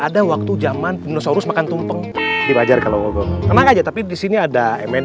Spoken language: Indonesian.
ada waktu zaman dinosaurus makan tumpeng dipajar kalau ngomong tenang aja tapi di sini ada mnb